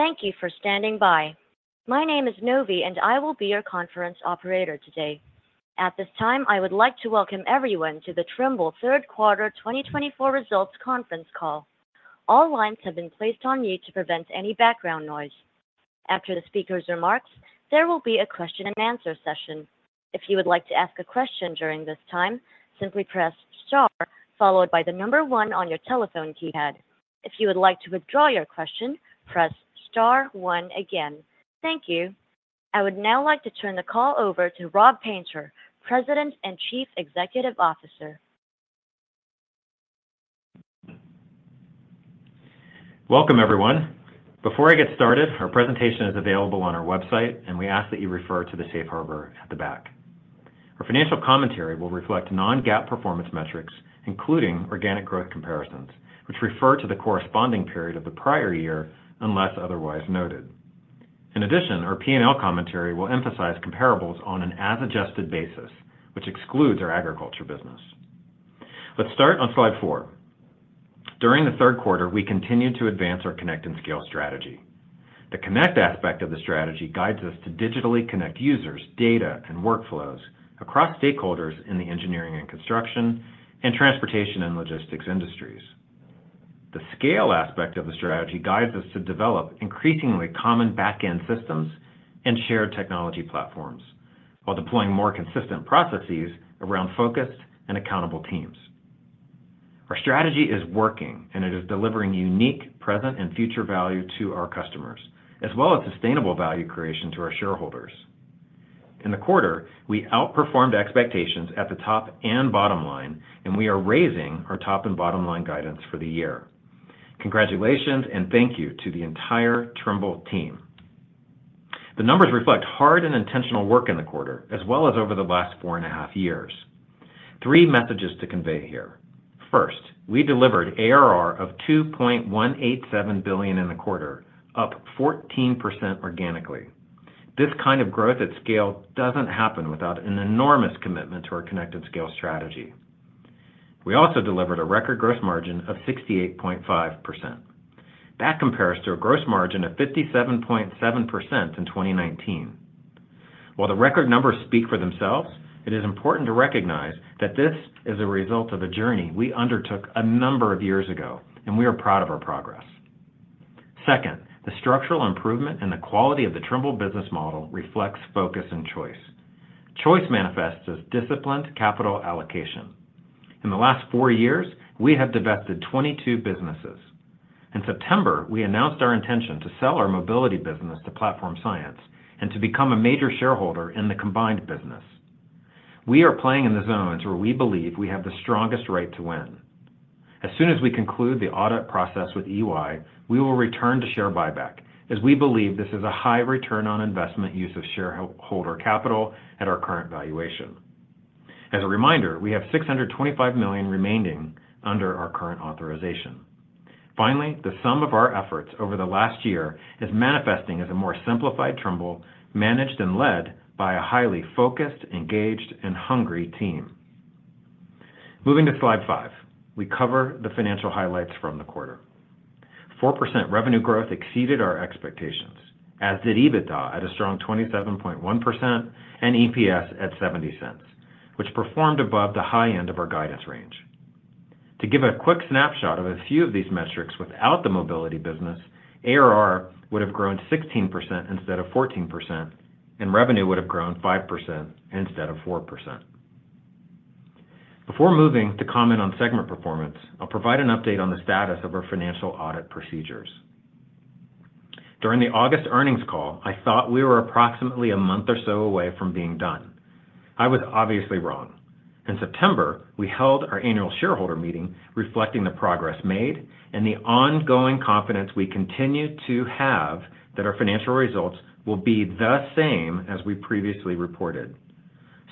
Thank you for standing by. My name is Novi, and I will be your conference operator today. At this time, I would like to welcome everyone to the Trimble Third Quarter 2024 Results Conference Call. All lines have been placed on mute to prevent any background noise. After the speaker's remarks, there will be a question-and-answer session. If you would like to ask a question during this time, simply press star, followed by the number one on your telephone keypad. If you would like to withdraw your question, press star one again. Thank you. I would now like to turn the call over to Rob Painter, President and Chief Executive Officer. Welcome, everyone. Before I get started, our presentation is available on our website, and we ask that you refer to the Safe Harbor at the back. Our financial commentary will reflect non-GAAP performance metrics, including organic growth comparisons, which refer to the corresponding period of the prior year unless otherwise noted. In addition, our P&L commentary will emphasize comparables on an as-adjusted basis, which excludes our agriculture business. Let's start on slide four. During the Q3, we continue to advance our Connect and Scale strategy. The connect aspect of the strategy guides us to digitally connect users, data, and workflows across stakeholders in the engineering and construction, and Transportation and Logistics industries. The scale aspect of the strategy guides us to develop increasingly common back-end systems and shared technology platforms, while deploying more consistent processes around focused and accountable teams. Our strategy is working, and it is delivering unique present and future value to our customers, as well as sustainable value creation to our shareholders. In the quarter, we outperformed expectations at the top and bottom line, and we are raising our top and bottom line guidance for the year. Congratulations, and thank you to the entire Trimble team. The numbers reflect hard and intentional work in the quarter, as well as over the last four and a half years. Three messages to convey here. First, we delivered ARR of $2.187 billion in the quarter, up 14% organically. This kind of growth at scale doesn't happen without an enormous commitment to our connected scale strategy. We also delivered a record gross margin of 68.5%. That compares to a gross margin of 57.7% in 2019. While the record numbers speak for themselves, it is important to recognize that this is a result of a journey we undertook a number of years ago, and we are proud of our progress. Second, the structural improvement in the quality of the Trimble business model reflects focus and choice. Choice manifests as disciplined capital allocation. In the last four years, we have divested 22 businesses. In September, we announced our intention to sell our mobility business to Platform Science and to become a major shareholder in the combined business. We are playing in the zones where we believe we have the strongest right to win. As soon as we conclude the audit process with EY, we will return to share buyback, as we believe this is a high return on investment use of shareholder capital at our current valuation. As a reminder, we have $625 million remaining under our current authorization. Finally, the sum of our efforts over the last year is manifesting as a more simplified Trimble, managed and led by a highly focused, engaged, and hungry team. Moving to slide five, we cover the financial highlights from the quarter. 4% revenue growth exceeded our expectations, as did EBITDA at a strong 27.1% and EPS at $0.70, which performed above the high end of our guidance range. To give a quick snapshot of a few of these metrics without the mobility business, ARR would have grown 16% instead of 14%, and revenue would have grown 5% instead of 4%. Before moving to comment on segment performance, I'll provide an update on the status of our financial audit procedures. During the August earnings call, I thought we were approximately a month or so away from being done. I was obviously wrong. In September, we held our annual shareholder meeting, reflecting the progress made and the ongoing confidence we continue to have that our financial results will be the same as we previously reported.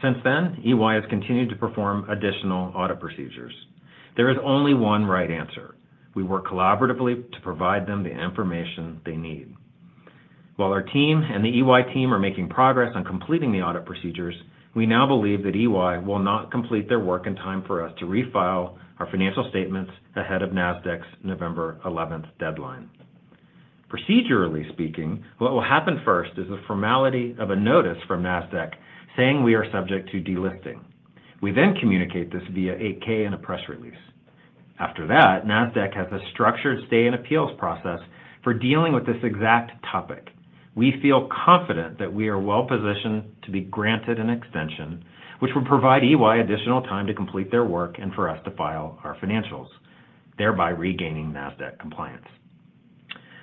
Since then, EY has continued to perform additional audit procedures. There is only one right answer. We work collaboratively to provide them the information they need. While our team and the EY team are making progress on completing the audit procedures, we now believe that EY will not complete their work in time for us to refile our financial statements ahead of Nasdaq's November 11th deadline. Procedurally speaking, what will happen first is the formality of a notice from Nasdaq saying we are subject to delisting. We then communicate this via an 8-K and a press release. After that, Nasdaq has a structured stay in appeals process for dealing with this exact topic. We feel confident that we are well positioned to be granted an extension, which will provide EY additional time to complete their work and for us to file our financials, thereby regaining Nasdaq compliance.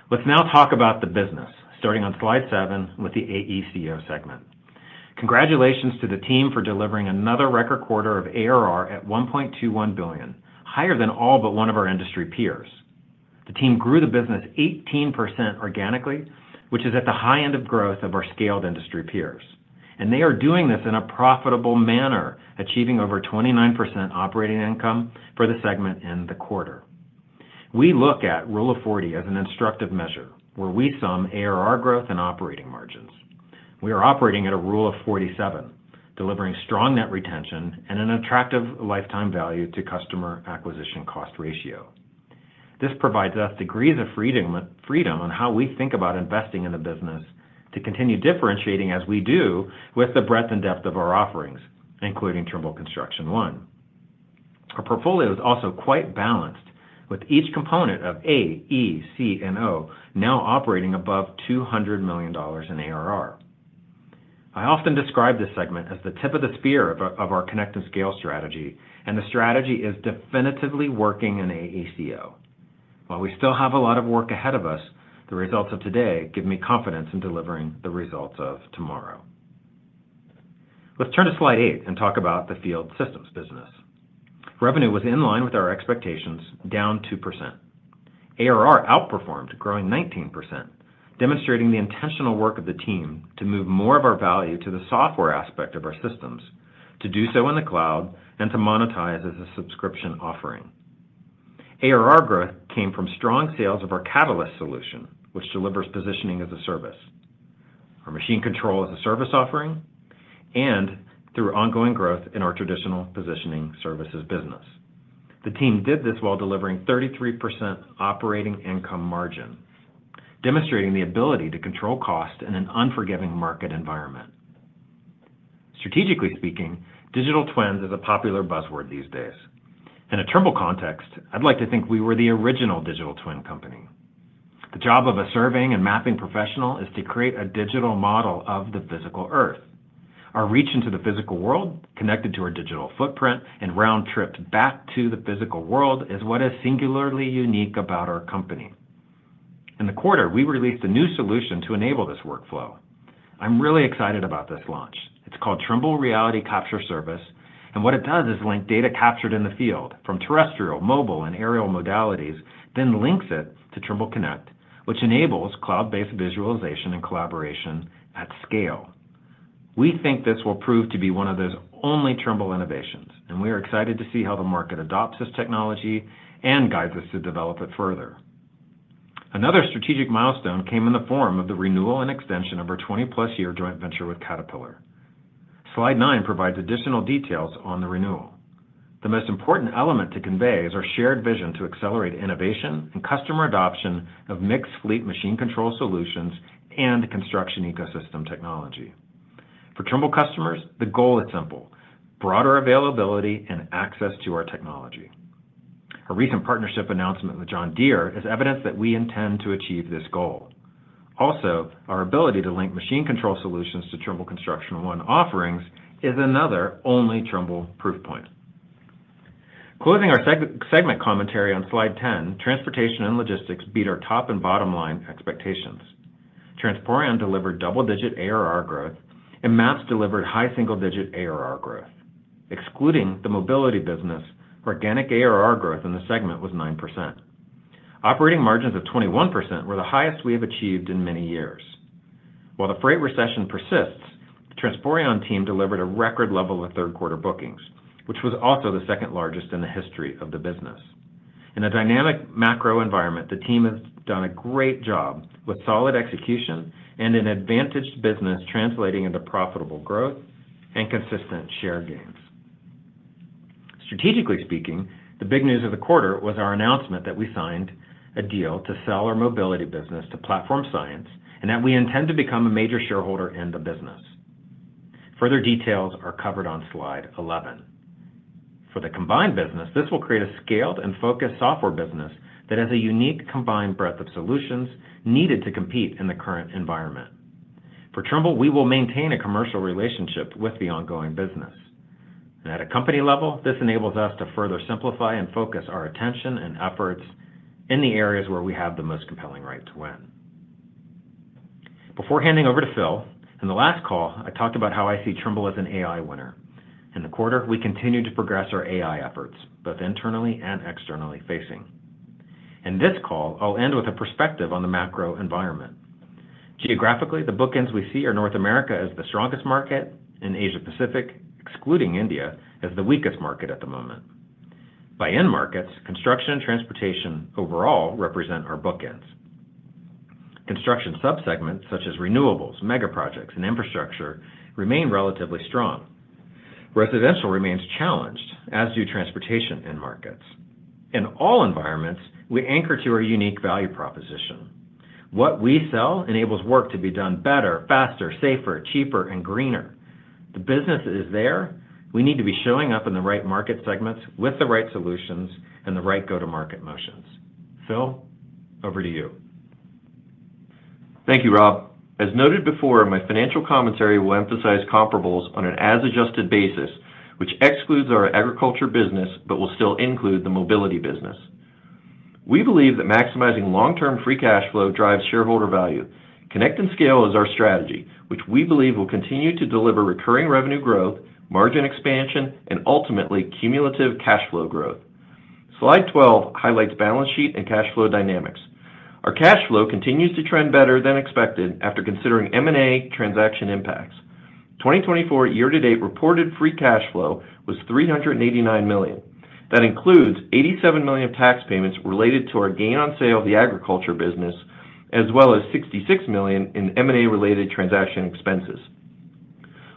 Let's now talk about the business, starting on slide seven with the AECO segment. Congratulations to the team for delivering another record quarter of ARR at $1.21 billion, higher than all but one of our industry peers. The team grew the business 18% organically, which is at the high end of growth of our scaled industry peers, and they are doing this in a profitable manner, achieving over 29% operating income for the segment in the quarter. We look at Rule of 40 as an instructive measure, where we sum ARR growth and operating margins. We are operating at a Rule of 47, delivering strong net retention and an attractive lifetime value to customer acquisition cost ratio. This provides us degrees of freedom on how we think about investing in the business to continue differentiating, as we do, with the breadth and depth of our offerings, including Trimble Construction One. Our portfolio is also quite balanced, with each component of A, E, C, and O now operating above $200 million in ARR. I often describe this segment as the tip of the spear of our connected scale strategy, and the strategy is definitively working in AECO. While we still have a lot of work ahead of us, the results of today give me confidence in delivering the results of tomorrow. Let's turn to slide eight and talk about the Field Systems business. Revenue was in line with our expectations, down 2%. ARR outperformed, growing 19%, demonstrating the intentional work of the team to move more of our value to the software aspect of our systems, to do so in the cloud, and to monetize as a subscription offering. ARR growth came from strong sales of our Catalyst solution, which delivers positioning as a service, our machine control as a service offering, and through ongoing growth in our traditional positioning services business. The team did this while delivering 33% operating income margin, demonstrating the ability to control cost in an unforgiving market environment. Strategically speaking, digital twins is a popular buzzword these days. In a Trimble context, I'd like to think we were the original digital twin company. The job of a surveying and mapping professional is to create a digital model of the physical Earth. Our reach into the physical world, connected to our digital footprint, and round-tripped back to the physical world is what is singularly unique about our company. In the quarter, we released a new solution to enable this workflow. I'm really excited about this launch. It's called Trimble Reality Capture Service. And what it does is link data captured in the field from terrestrial, mobile, and aerial modalities, then links it to Trimble Connect, which enables cloud-based visualization and collaboration at scale. We think this will prove to be one of those only Trimble innovations, and we are excited to see how the market adopts this technology and guides us to develop it further. Another strategic milestone came in the form of the renewal and extension of our 20-plus year joint venture with Caterpillar. Slide nine provides additional details on the renewal. The most important element to convey is our shared vision to accelerate innovation and customer adoption of mixed fleet machine control solutions and construction ecosystem technology. For Trimble customers, the goal is simple: broader availability and access to our technology. A recent partnership announcement with John Deere is evidence that we intend to achieve this goal. Also, our ability to link machine control solutions to Trimble Construction One offerings is another only Trimble proof point. Closing our segment commentary on slide 10, Transportation and Logistics beat our top and bottom line expectations. Transporeon delivered double-digit ARR growth, and Maps delivered high single-digit ARR growth. Excluding the mobility business, organic ARR growth in the segment was 9%. Operating margins of 21% were the highest we have achieved in many years. While the freight recession persists, the Transporeon team delivered a record level of third-quarter bookings, which was also the second largest in the history of the business. In a dynamic macro environment, the team has done a great job with solid execution and an advantaged business translating into profitable growth and consistent share gains. Strategically speaking, the big news of the quarter was our announcement that we signed a deal to sell our mobility business to Platform Science and that we intend to become a major shareholder in the business. Further details are covered on slide 11. For the combined business, this will create a scaled and focused software business that has a unique combined breadth of solutions needed to compete in the current environment. For Trimble, we will maintain a commercial relationship with the ongoing business. And at a company level, this enables us to further simplify and focus our attention and efforts in the areas where we have the most compelling right to win. Before handing over to Phil, in the last call, I talked about how I see Trimble as an AI winner. In the quarter, we continue to progress our AI efforts, both internally and externally facing. In this call, I'll end with a perspective on the macro environment. Geographically, the bookends we see are North America as the strongest market and Asia-Pacific, excluding India, as the weakest market at the moment. By end markets, construction and transportation overall represent our bookends. Construction subsegments, such as renewables, mega projects, and infrastructure, remain relatively strong. Residential remains challenged, as do transportation end markets. In all environments, we anchor to our unique value proposition. What we sell enables work to be done better, faster, safer, cheaper, and greener. The business is there. We need to be showing up in the right market segments with the right solutions and the right go-to-market motions. Phil, over to you. Thank you, Rob. As noted before, my financial commentary will emphasize comparables on an as-adjusted basis, which excludes our agriculture business but will still include the mobility business. We believe that maximizing long-term free cash flow drives shareholder value. Connect and Scale is our strategy, which we believe will continue to deliver recurring revenue growth, margin expansion, and ultimately cumulative cash flow growth. Slide 12 highlights balance sheet and cash flow dynamics. Our cash flow continues to trend better than expected after considering M&A transaction impacts. 2024 year-to-date reported free cash flow was $389 million. That includes $87 million tax payments related to our gain on sale of the agriculture business, as well as $66 million in M&A-related transaction expenses.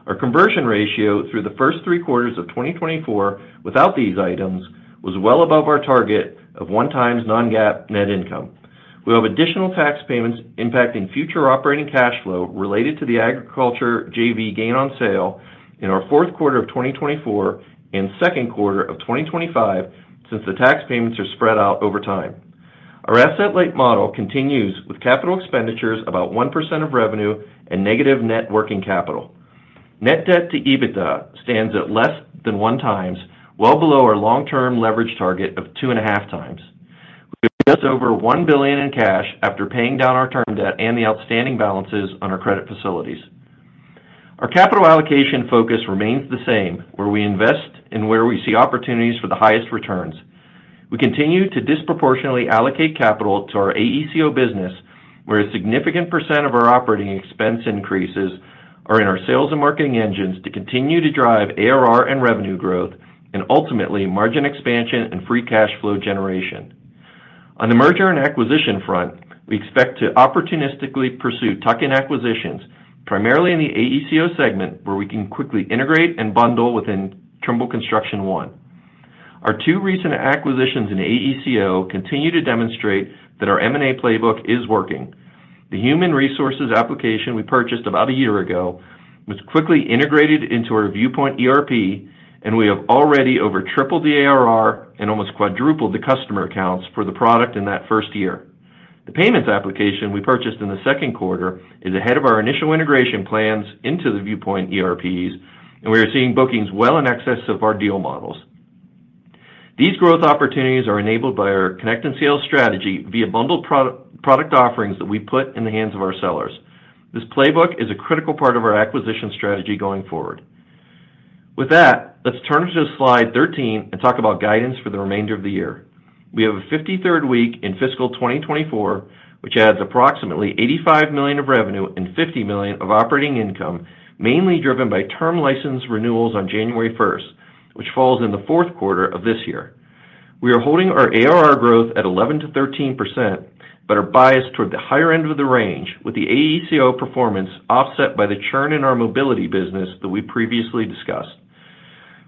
Our conversion ratio through the first three quarters of 2024 without these items was well above our target of one times non-GAAP net income. We have additional tax payments impacting future operating cash flow related to the agriculture JV gain on sale in our Q4 of 2024 and Q2 of 2025 since the tax payments are spread out over time. Our asset-light model continues with capital expenditures about 1% of revenue and negative net working capital. Net debt to EBITDA stands at less than one times, well below our long-term leverage target of two and a half times. We have just over $1 billion in cash after paying down our term debt and the outstanding balances on our credit facilities. Our capital allocation focus remains the same, where we invest in where we see opportunities for the highest returns. We continue to disproportionately allocate capital to our AECO business, where a significant % of our operating expense increases are in our sales and marketing engines to continue to drive ARR and revenue growth, and ultimately margin expansion and free cash flow generation. On the merger and acquisition front, we expect to opportunistically pursue tuck-in acquisitions, primarily in the AECO segment, where we can quickly integrate and bundle within Trimble Construction One. Our two recent acquisitions in AECO continue to demonstrate that our M&A playbook is working. The human resources application we purchased about a year ago was quickly integrated into our Viewpoint ERP, and we have already over tripled the ARR and almost quadrupled the customer accounts for the product in that first year. The payments application we purchased in the Q2 is ahead of our initial integration plans into the Viewpoint ERPs, and we are seeing bookings well in excess of our deal models. These growth opportunities are enabled by our connect and scale strategy via bundled product offerings that we put in the hands of our sellers. This playbook is a critical part of our acquisition strategy going forward. With that, let's turn to slide 13 and talk about guidance for the remainder of the year. We have a 53rd week in fiscal 2024, which adds approximately $85 million of revenue and $50 million of operating income, mainly driven by term license renewals on January 1st, which falls in the Q4 of this year. We are holding our ARR growth at 11%-13%, but are biased toward the higher end of the range, with the AECO performance offset by the churn in our mobility business that we previously discussed.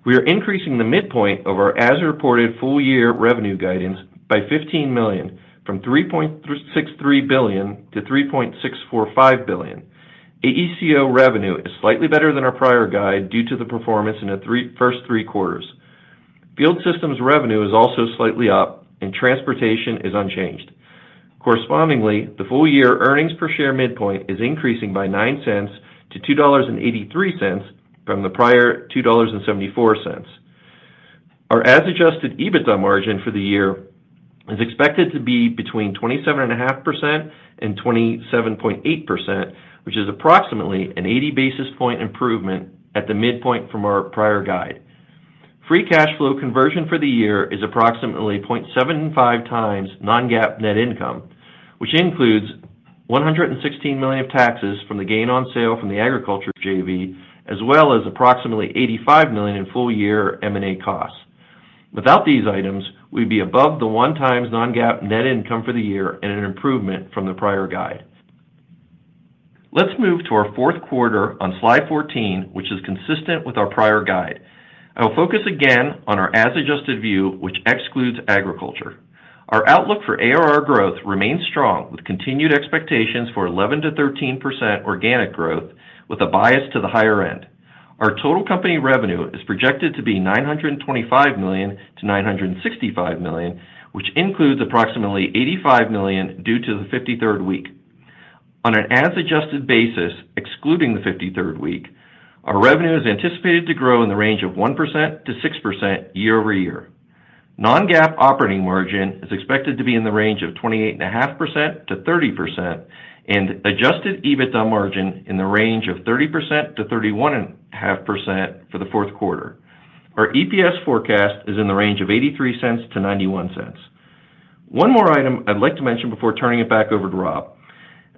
We are increasing the midpoint of our as-reported full-year revenue guidance by $15 million, from $3.63 billion-$3.645 billion. AECO revenue is slightly better than our prior guide due to the performance in the first three quarters. Field systems revenue is also slightly up, and transportation is unchanged. Correspondingly, the full-year earnings per share midpoint is increasing by $0.09 to $2.83 from the prior $2.74. Our as-adjusted EBITDA margin for the year is expected to be between 27.5%-27.8%, which is approximately an 80 basis point improvement at the midpoint from our prior guide. Free cash flow conversion for the year is approximately 0.75 times non-GAAP net income, which includes $116 million of taxes from the gain on sale from the agriculture JV, as well as approximately $85 million in full-year M&A costs. Without these items, we'd be above the one times non-GAAP net income for the year and an improvement from the prior guide. Let's move to our Q4 on slide 14, which is consistent with our prior guide. I'll focus again on our as-adjusted view, which excludes agriculture. Our outlook for ARR growth remains strong, with continued expectations for 11%-13% organic growth, with a bias to the higher end. Our total company revenue is projected to be $925 million-$965 million, which includes approximately $85 million due to the 53rd week. On an as-adjusted basis, excluding the 53rd week, our revenue is anticipated to grow in the range of 1%-6% year over year. Non-GAAP operating margin is expected to be in the range of 28.5%-30%, and adjusted EBITDA margin in the range of 30%-31.5% for the Q4. Our EPS forecast is in the range of $0.83-$0.91. One more item I'd like to mention before turning it back over to Rob.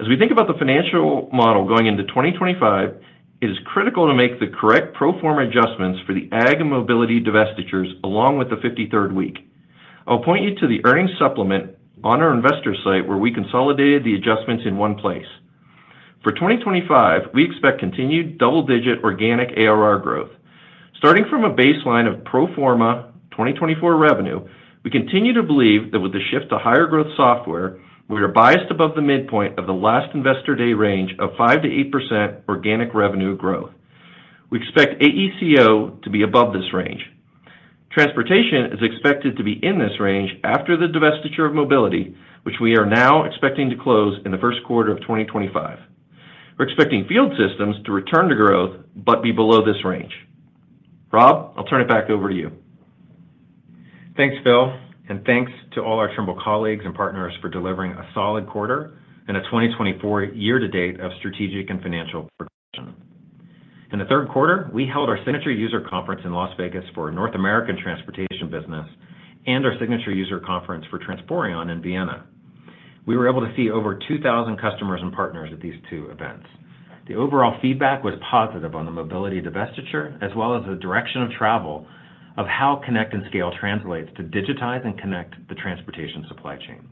As we think about the financial model going into 2025, it is critical to make the correct pro forma adjustments for the ag and mobility divestitures along with the 53rd week. I'll point you to the earnings supplement on our investor site where we consolidated the adjustments in one place. For 2025, we expect continued double-digit organic ARR growth. Starting from a baseline of pro forma 2024 revenue, we continue to believe that with the shift to higher growth software, we are biased above the midpoint of the last investor day range of 5%-8% organic revenue growth. We expect AECO to be above this range. Transportation is expected to be in this range after the divestiture of mobility, which we are now expecting to close in the Q1 of 2025. We're expecting Field Systems to return to growth but be below this range. Rob, I'll turn it back over to you. Thanks, Phil, and thanks to all our Trimble colleagues and partners for delivering a solid quarter and a 2024 year-to-date of strategic and financial progression. In the Q3, we held our signature user conference in Las Vegas for our North American transportation business and our signature user conference for Transporeon in Vienna. We were able to see over 2,000 customers and partners at these two events. The overall feedback was positive on the mobility divestiture, as well as the direction of travel of how Connect and Scale translates to digitize and connect the transportation supply chain.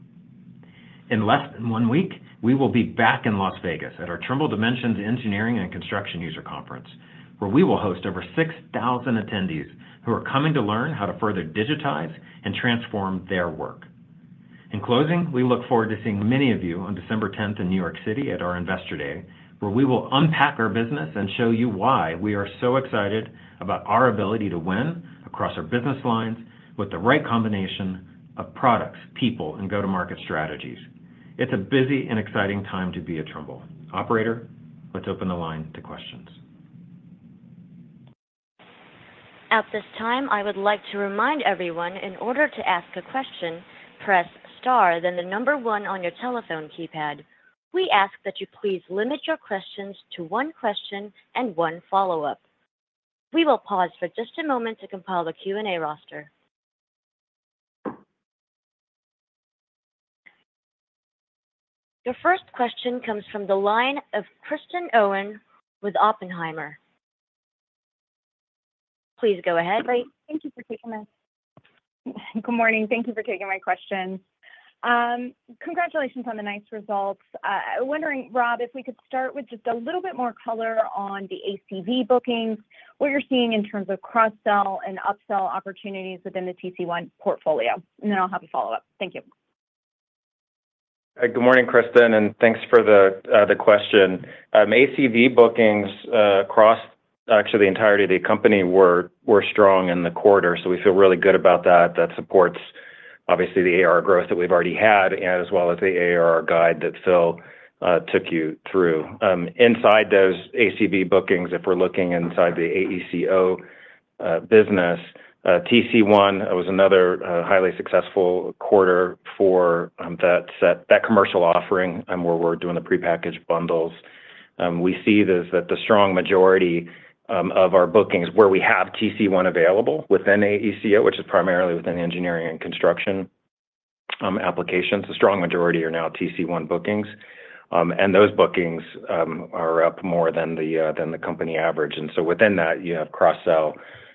In less than one week, we will be back in Las Vegas at our Trimble Dimensions Engineering and Construction user conference, where we will host over 6,000 attendees who are coming to learn how to further digitize and transform their work. In closing, we look forward to seeing many of you on December 10th in New York City at our investor day, where we will unpack our business and show you why we are so excited about our ability to win across our business lines with the right combination of products, people, and go-to-market strategies. It's a busy and exciting time to be at Trimble. Operator, let's open the line to questions. At this time, I would like to remind everyone, in order to ask a question, press star, then the number one on your telephone keypad. We ask that you please limit your questions to one question and one follow-up. We will pause for just a moment to compile the Q&A roster. Your first question comes from the line of Kristen Owen with Oppenheimer. Please go ahead. Great. Good morning. Thank you for taking my question. Congratulations on the nice results. I'm wondering, Rob, if we could start with just a little bit more color on the ACV bookings, what you're seeing in terms of cross-sell and upsell opportunities within the TC1 portfolio. And then I'll have a follow-up. Thank you. Good morning, Kristen, and thanks for the question. ACV bookings across actually the entirety of the company were strong in the quarter, so we feel really good about that. That supports, obviously, the ARR growth that we've already had, as well as the ARR guide that Phil took you through. Inside those ACV bookings, if we're looking inside the AECO business, TC1 was another highly successful quarter for that commercial offering where we're doing the prepackaged bundles. We see that the strong majority of our bookings where we have TC1 available within AECO, which is primarily within engineering and construction applications, the strong majority are now TC1 bookings. And those bookings are up more than the company average. And so within that, you have cross-sell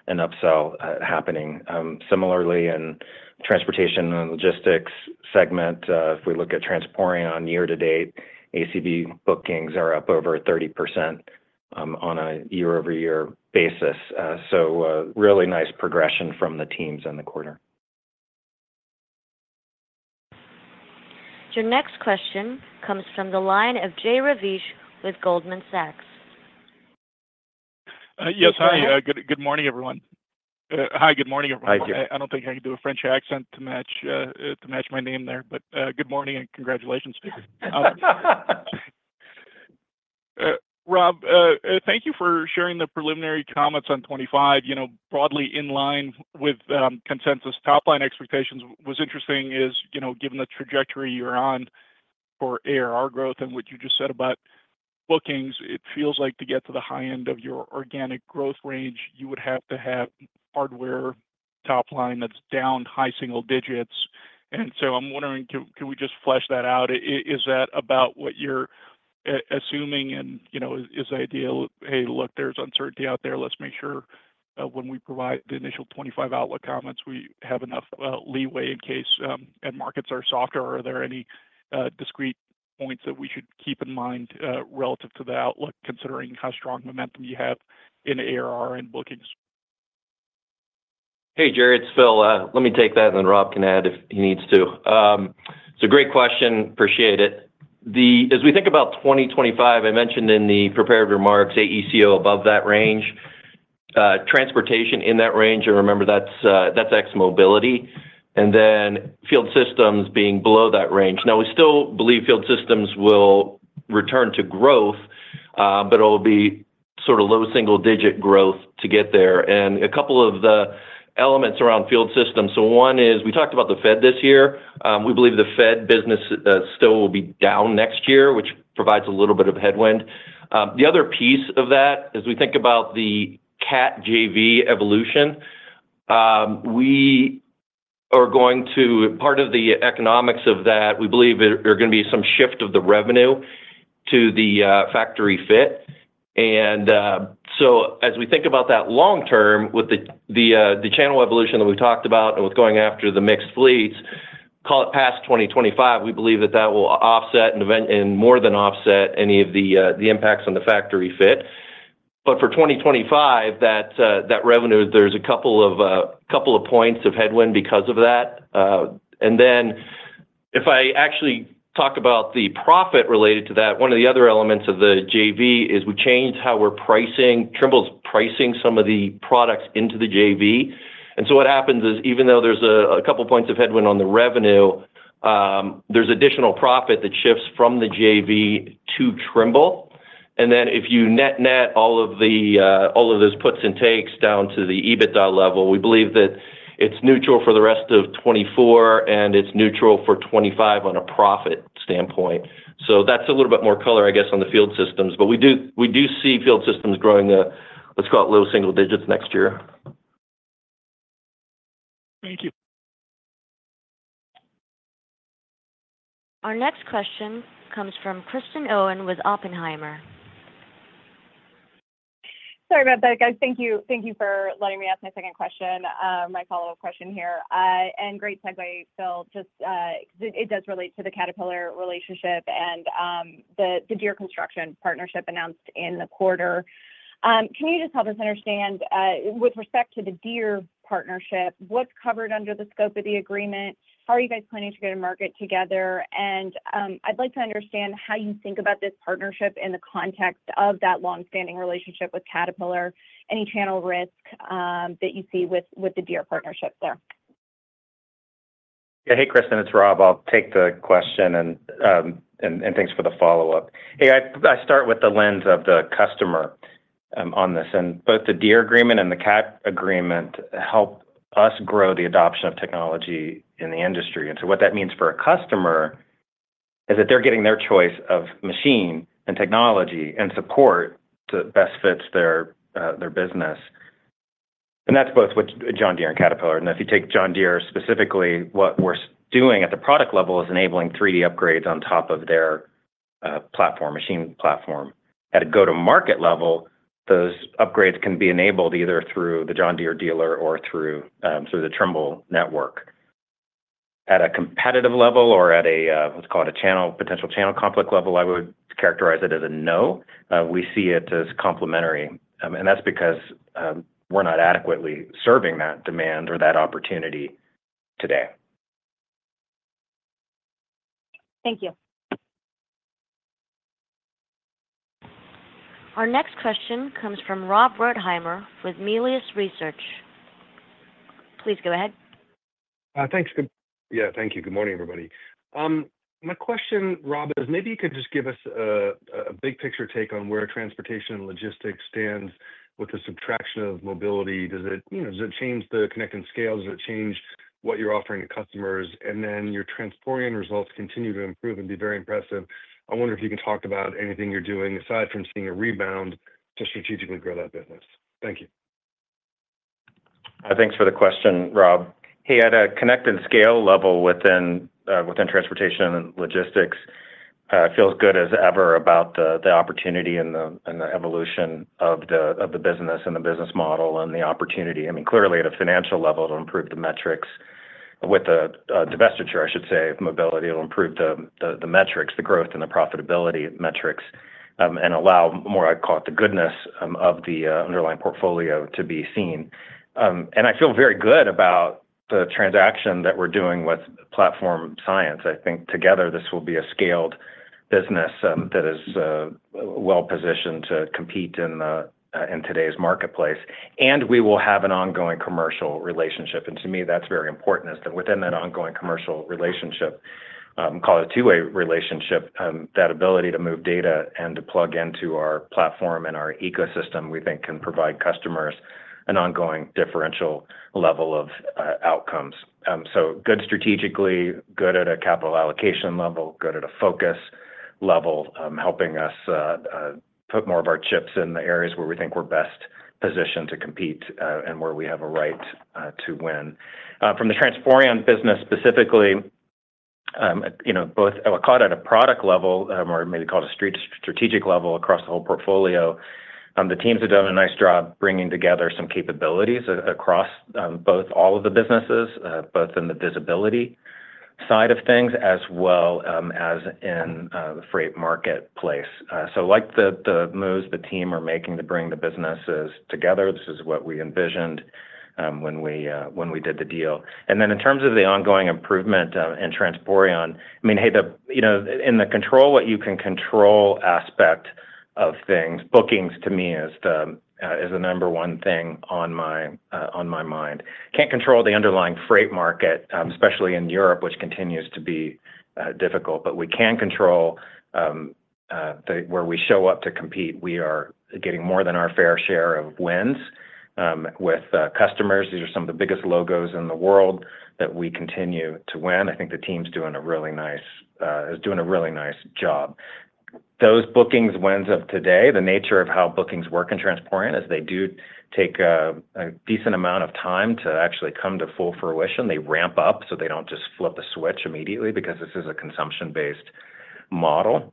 and upsell happening. Similarly, in the Transportation and Logistics segment, if we look at Transporeon year-to-date, ACV bookings are up over 30% on a year-over-year basis. So really nice progression from the teams in the quarter. Your next question comes from the line of Jerry Revich with Goldman Sachs. Yes. Hi. Good morning, everyone. Hi. Good morning, everyone. I don't think I can do a French accent to match my name there, but good morning and congratulations. Rob, thank you for sharing the preliminary comments on 25. Broadly in line with consensus top-line expectations was interesting is given the trajectory you're on for ARR growth and what you just said about bookings, it feels like to get to the high end of your organic growth range, you would have to have hardware top-line that's down high single digits. And so I'm wondering, can we just flesh that out? Is that about what you're assuming and is the idea, "Hey, look, there's uncertainty out there. Let's make sure when we provide the initial 2025 outlook comments, we have enough leeway in case the markets are softer. Are there any discrete points that we should keep in mind relative to the outlook, considering how strong momentum you have in ARR and bookings? Hey, Jerry, it's Phil. Let me take that, and then Rob can add if he needs to. It's a great question. Appreciate it. As we think about 2025, I mentioned in the prepared remarks, AECO above that range, transportation in that range. And remember, that's ex-mobility. And then Field Systems being below that range. Now, we still believe Field Systems will return to growth, but it'll be sort of low single-digit growth to get there. And a couple of the elements around Field Systems. So one is we talked about the Fed this year. We believe the Fed business still will be down next year, which provides a little bit of headwind. The other piece of that, as we think about the Cat JV evolution, we are going to be part of the economics of that. We believe there are going to be some shift of the revenue to the factory fit. So as we think about that long-term, with the channel evolution that we've talked about and with going after the mixed fleets past 2025, we believe that that will offset and more than offset any of the impacts on the factory fit. But for 2025, that revenue, there's a couple of points of headwind because of that. And then if I actually talk about the profit related to that, one of the other elements of the JV is we changed how we're pricing. Trimble is pricing some of the products into the JV. And so what happens is, even though there's a couple of points of headwind on the revenue, there's additional profit that shifts from the JV to Trimble. And then if you net-net all of those puts and takes down to the EBITDA level, we believe that it's neutral for the rest of 2024, and it's neutral for 2025 on a profit standpoint. So that's a little bit more color, I guess, on the Field Systems. But we do see Field Systems growing the, let's call it low single digits next year. Thank you. Our next question comes from Kristen Owen with Oppenheimer. Sorry about that, guys. Thank you for letting me ask my second question, my follow-up question here. And great segue, Phil, just because it does relate to the Caterpillar relationship and the Deere construction partnership announced in the quarter. Can you just help us understand, with respect to the Deere partnership, what's covered under the scope of the agreement? How are you guys planning to go to market together? And I'd like to understand how you think about this partnership in the context of that long-standing relationship with Caterpillar, any channel risk that you see with the Deere partnership there. Yeah. Hey, Kristen, it's Rob. I'll take the question, and thanks for the follow-up. Hey, I start with the lens of the customer on this. And both the Deere agreement and the Cat agreement help us grow the adoption of technology in the industry. And so what that means for a customer is that they're getting their choice of machine and technology and support that best fits their business. And that's both with John Deere and Caterpillar. And if you take John Deere specifically, what we're doing at the product level is enabling 3D upgrades on top of their machine platform. At a go-to-market level, those upgrades can be enabled either through the John Deere dealer or through the Trimble network. At a competitive level or at a, let's call it a potential channel conflict level, I would characterize it as a no. We see it as complementary. And that's because we're not adequately serving that demand or that opportunity today. Thank you. Our next question comes from Rob Wertheimer with Melius Research. Please go ahead. Thanks. Yeah. Thank you. Good morning, everybody. My question, Rob, is maybe you could just give us a big-picture take on where Transportation and Logistics stands with the subtraction of mobility. Does it change the connect and scale? Does it change what you're offering to customers? And then your Transporeon results continue to improve and be very impressive. I wonder if you can talk about anything you're doing aside from seeing a rebound to strategically grow that business. Thank you. Thanks for the question, Rob. Hey, at a connect and scale level within Transportation and Logistics, I feel as good as ever about the opportunity and the evolution of the business and the business model and the opportunity. I mean, clearly, at a financial level, it'll improve the metrics with the divestiture, I should say, of mobility. It'll improve the metrics, the growth, and the profitability metrics and allow more, I'd call it, the goodness of the underlying portfolio to be seen. And I feel very good about the transaction that we're doing with Platform Science. I think together, this will be a scaled business that is well-positioned to compete in today's marketplace. We will have an ongoing commercial relationship. To me, that's very important is that within that ongoing commercial relationship, call it a two-way relationship, that ability to move data and to plug into our platform and our ecosystem, we think can provide customers an ongoing differential level of outcomes. Good strategically, good at a capital allocation level, good at a focus level, helping us put more of our chips in the areas where we think we're best positioned to compete and where we have a right to win. From the Transporeon business specifically, both I'll call it at a product level or maybe call it a strategic level across the whole portfolio. The teams have done a nice job bringing together some capabilities across all of the businesses, both in the visibility side of things as well as in the freight marketplace. So like the moves the team are making to bring the businesses together, this is what we envisioned when we did the deal, and then in terms of the ongoing improvement in Transporeon, I mean, hey, in the control what you can control aspect of things, bookings to me is the number one thing on my mind. Can't control the underlying freight market, especially in Europe, which continues to be difficult, but we can control where we show up to compete. We are getting more than our fair share of wins with customers. These are some of the biggest logos in the world that we continue to win. I think the team's doing a really nice job. Those bookings wins of today, the nature of how bookings work in Transporeon, as they do take a decent amount of time to actually come to full fruition. They ramp up so they don't just flip a switch immediately because this is a consumption-based model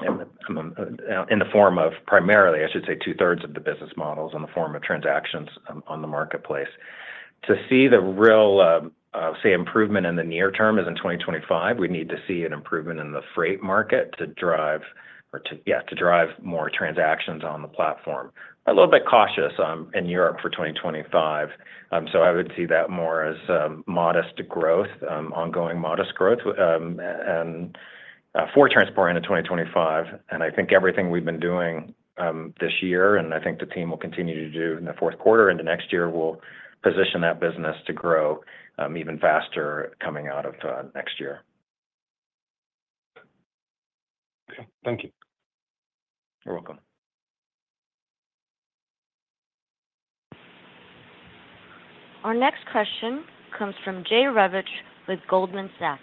in the form of primarily, I should say, two-thirds of the business models in the form of transactions on the marketplace. To see the real, say, improvement in the near term is in 2025. We need to see an improvement in the freight market to drive or to, yeah, to drive more transactions on the platform. A little bit cautious in Europe for 2025, so I would see that more as modest growth, ongoing modest growth for Transporeon in 2025. I think everything we've been doing this year, and I think the team will continue to do in the Q4 into next year, will position that business to grow even faster coming out of next year. Okay. Thank you. You're welcome. Our next question comes from Jerry Revich with Goldman Sachs.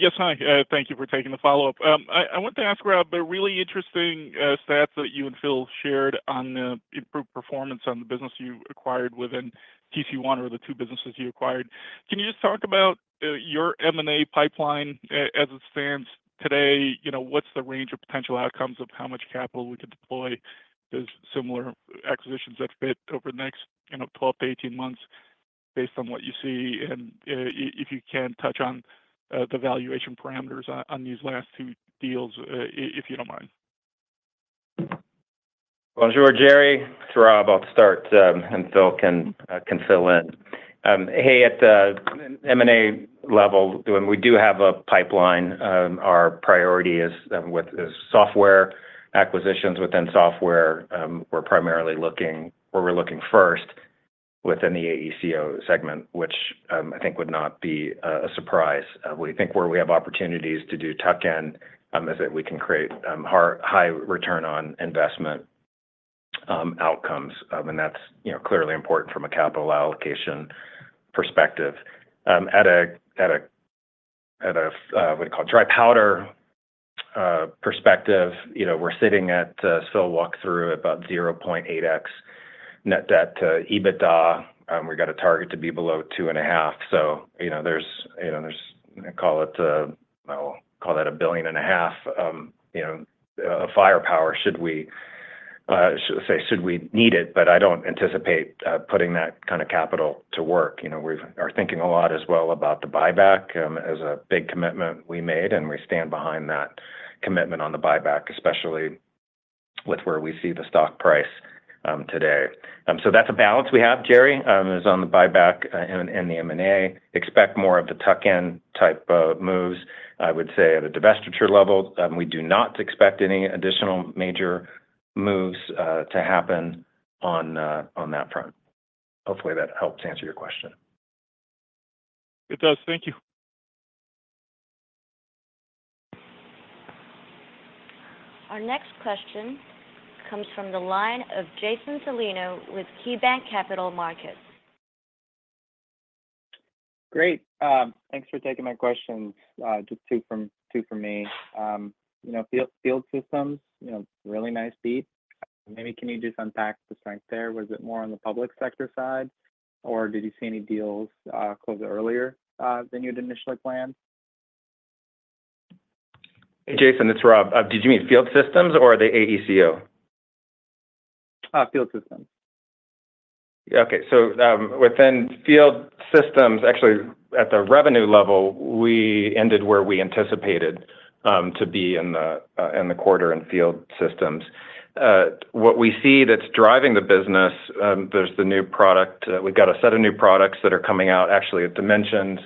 Yes. Hi. Thank you for taking the follow-up. I wanted to ask Rob, the really interesting stats that you and Phil shared on the improved performance on the business you acquired within TC1 or the two businesses you acquired. Can you just talk about your M&A pipeline as it stands today? What's the range of potential outcomes of how much capital we could deploy? There's similar acquisitions that fit over the next 12-18 months based on what you see. And if you can touch on the valuation parameters on these last two deals, if you don't mind. Well, sure, Jerry. Rob's about to start and Phil can fill in. Hey, at the M&A level, we do have a pipeline. Our priority is with software acquisitions within software. We're primarily looking where we're looking first within the AECO segment, which I think would not be a surprise. We think where we have opportunities to do tuck-in is that we can create high return on investment outcomes. And that's clearly important from a capital allocation perspective. At a, what do you call it, dry powder perspective, we're sitting at, Phil walked through about 0.8x net debt to EBITDA. We got a target to be below two and a half. So there's, I call it, I'll call that $1.5 billion of firepower, should we say, should we need it. But I don't anticipate putting that kind of capital to work. We are thinking a lot as well about the buyback as a big commitment we made. And we stand behind that commitment on the buyback, especially with where we see the stock price today. So that's a balance we have. Jerry is on the buyback and the M&A. Expect more of the tuck-in type moves, I would say, at a divestiture level. We do not expect any additional major moves to happen on that front. Hopefully, that helps answer your question. It does. Thank you. Our next question comes from the line of Jason Celino with KeyBank Capital Markets. Great. Thanks for taking my questions. Just two from me. Field systems, really nice beat. Maybe can you just unpack the strength there? Was it more on the public sector side, or did you see any deals close earlier than you'd initially planned? Hey, Jason, it's Rob. Did you mean Field Systems or the AECO? Field systems. Okay. So within Field Systems, actually, at the revenue level, we ended where we anticipated to be in the quarter in Field Systems. What we see that's driving the business, there's the new product. We've got a set of new products that are coming out. Actually, as mentioned,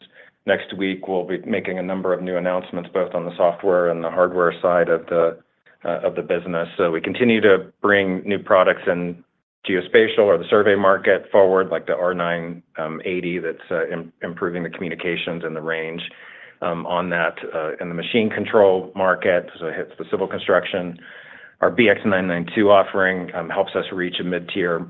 next week, we'll be making a number of new announcements both on the software and the hardware side of the business. So we continue to bring new products in geospatial or the survey market forward, like the R980 that's improving the communications and the range on that. In the machine control market, so it hits the civil construction. Our BX992 offering helps us reach a mid-tier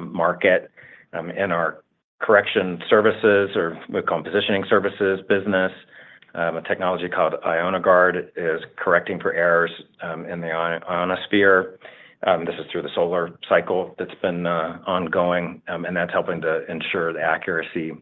market in our correction services, or we call them, positioning services business. A technology called IonoGuard is correcting for errors in the ionosphere. This is through the solar cycle that's been ongoing. And that's helping to ensure the accuracy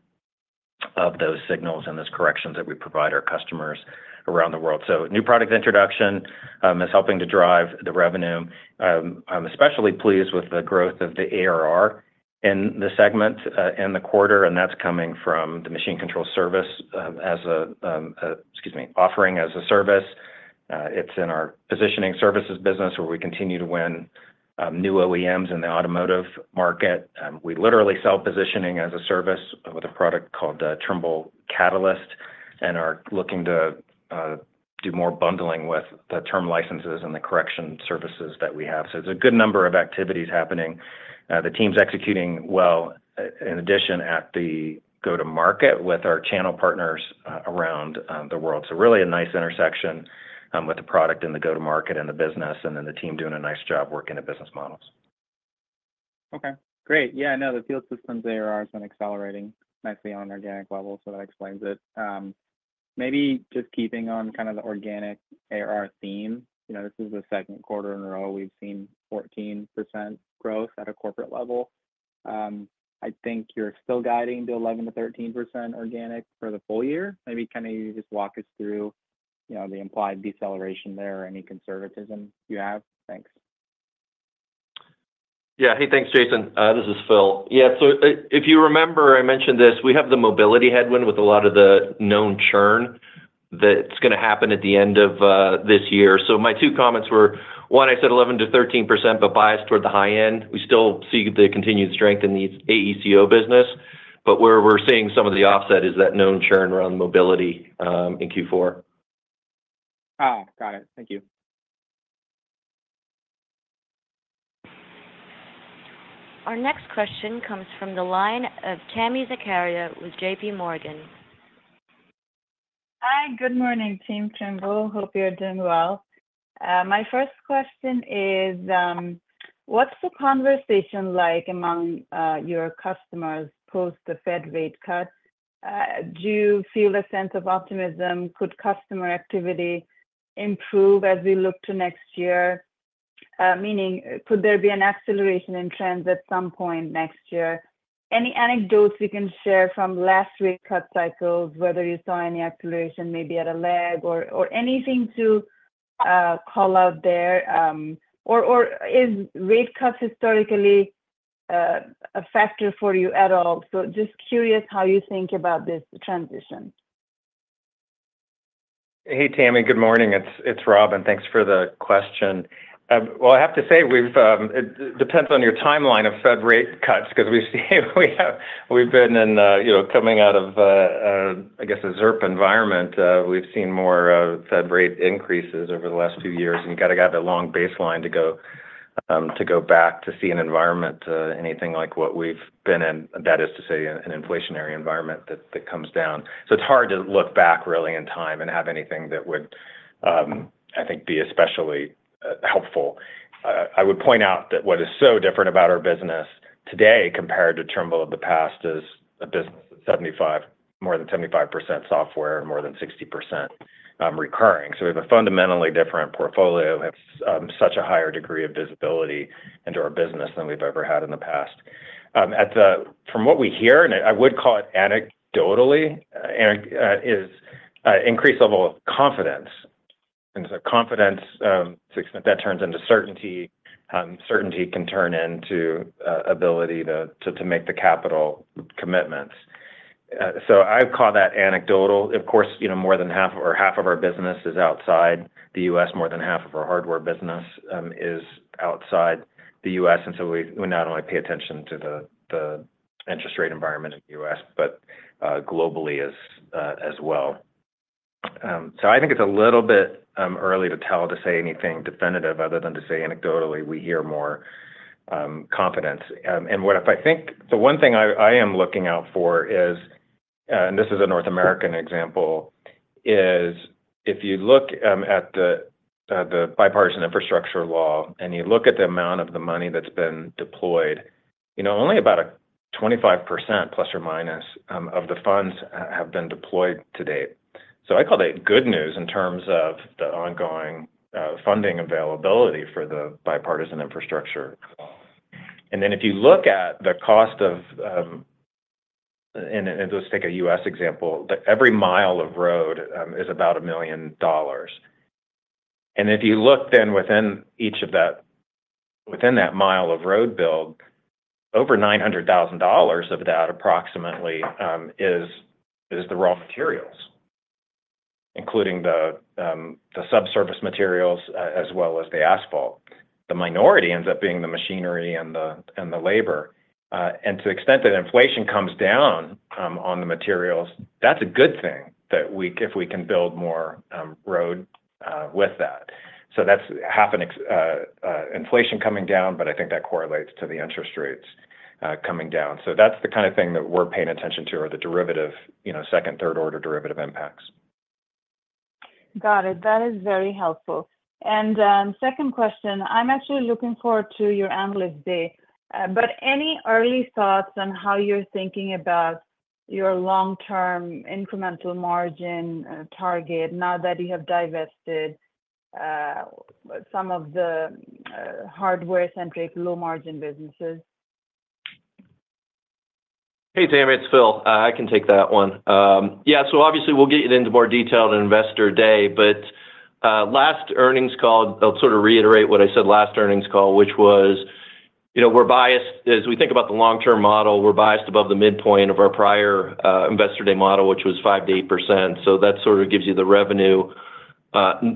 of those signals and those corrections that we provide our customers around the world. So new product introduction is helping to drive the revenue. I'm especially pleased with the growth of the ARR in the segment in the quarter. And that's coming from the machine control service as a, excuse me, offering as a service. It's in our positioning services business where we continue to win new OEMs in the automotive market. We literally sell positioning as a service with a product called Trimble Catalyst and are looking to do more bundling with the term licenses and the correction services that we have. So it's a good number of activities happening. The team's executing well, in addition, at the go-to-market with our channel partners around the world. So really a nice intersection with the product and the go-to-market and the business, and then the team doing a nice job working the business models. Okay. Great. Yeah. I know the Field Systems, ARRs have been accelerating nicely on organic level. So that explains it. Maybe just keeping on kind of the organic ARR theme, this is the Q2 in a row we've seen 14% growth at a corporate level. I think you're still guiding to 11%-13% organic for the full year. Maybe can you just walk us through the implied deceleration there or any conservatism you have? Thanks. Yeah. Hey, thanks, Jason. This is Phil. Yeah. So if you remember, I mentioned this. We have the mobility headwind with a lot of the known churn that's going to happen at the end of this year. So my two comments were, one, I said 11%-13%, but biased toward the high end. We still see the continued strength in the AECO business. But where we're seeing some of the offset is that known churn around mobility in Q4. Got it. Thank you. Our next question comes from the line of Tami Zakaria with J.P. Morgan. Hi. Good morning, Team Trimble. Hope you're doing well. My first question is, what's the conversation like among your customers post the Fed rate cuts? Do you feel a sense of optimism? Could customer activity improve as we look to next year? Meaning, could there be an acceleration in trends at some point next year? Any anecdotes we can share from last rate cut cycles, whether you saw any acceleration, maybe at a lag, or anything to call out there? Or is rate cuts historically a factor for you at all? So just curious how you think about this transition. Hey, Tami. Good morning. It's Rob, and thanks for the question. Well, I have to say, it depends on your timeline of Fed rate cuts because we've been in coming out of, I guess, a ZIRP environment. We've seen more Fed rate increases over the last few years. And you've got to have a long baseline to go back to see an environment, anything like what we've been in, that is to say, an inflationary environment that comes down. So it's hard to look back really in time and have anything that would, I think, be especially helpful. I would point out that what is so different about our business today compared to Trimble of the past is a business that's 75, more than 75% software and more than 60% recurring, so we have a fundamentally different portfolio. It's such a higher degree of visibility into our business than we've ever had in the past. From what we hear, and I would call it anecdotally, is increased level of confidence, and so confidence, to the extent that turns into certainty, certainty can turn into ability to make the capital commitments, so I call that anecdotal. Of course, more than half or half of our business is outside the U.S. More than half of our hardware business is outside the U.S., and so we not only pay attention to the interest rate environment in the U.S., but globally as well. I think it's a little bit early to tell to say anything definitive other than to say anecdotally, we hear more confidence. And what if I think the one thing I am looking out for is, and this is a North American example, is if you look at the Bipartisan Infrastructure Law and you look at the amount of the money that's been deployed, only about 25% plus or minus of the funds have been deployed to date. So I call that good news in terms of the ongoing funding availability for the Bipartisan Infrastructure Law. And then if you look at the cost of, and let's take a US example, that every mile of road is about $1 million. If you look then within each of that, within that mile of road build, over $900,000 of that approximately is the raw materials, including the subsurface materials as well as the asphalt. The minority ends up being the machinery and the labor. To the extent that inflation comes down on the materials, that's a good thing that if we can build more road with that. That's half an inflation coming down, but I think that correlates to the interest rates coming down. That's the kind of thing that we're paying attention to are the derivative, second, third order derivative impacts. Got it. That is very helpful. Second question, I'm actually looking forward to your analyst day. Any early thoughts on how you're thinking about your long-term incremental margin target now that you have divested some of the hardware-centric low-margin businesses? Hey, Tami, it's Phil. I can take that one. Yeah, so obviously, we'll get you into more detail on investor day, but last earnings call, I'll sort of reiterate what I said last earnings call, which was we're biased, as we think about the long-term model, we're biased above the midpoint of our prior investor day model, which was 5%-8%. So that sort of gives you the revenue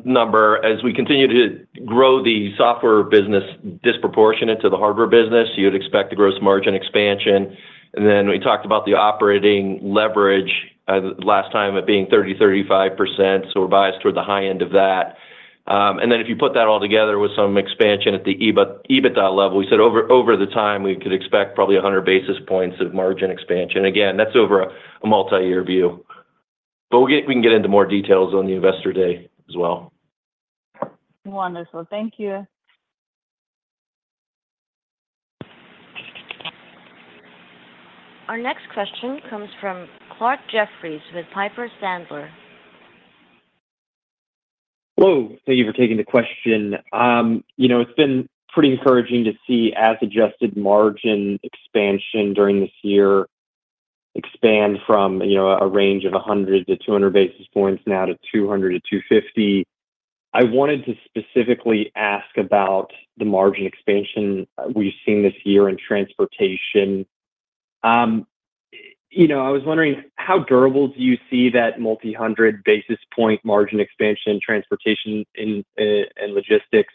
number. As we continue to grow the software business disproportionate to the hardware business, you'd expect the gross margin expansion, and then we talked about the operating leverage last time of being 30%-35%. So we're biased toward the high end of that, and then if you put that all together with some expansion at the EBITDA level, we said over the time, we could expect probably 100 basis points of margin expansion. Again, that's over a multi-year view. But we can get into more details on the investor day as well. Wonderful. Thank you. Our next question comes from Clarke Jeffries with Piper Sandler. Hello. Thank you for taking the question. It's been pretty encouraging to see as adjusted margin expansion during this year expand from a range of 100-200 basis points now to 200-250. I wanted to specifically ask about the margin expansion we've seen this year in transportation. I was wondering, how durable do you see that multi-hundred-basis-point margin expansion in Transportation and Logistics?